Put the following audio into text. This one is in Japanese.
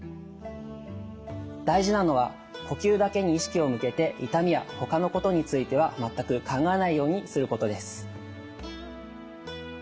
大事なのは呼吸だけに意識を向けて痛みや他のことについては全く考えないようにすることです。